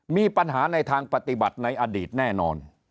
มีปัญหาในทางปฏิบัติในอดีตแน่นอน